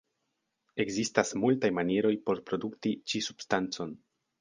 Ekzistas multaj manieroj por produkti ĉi-substancon.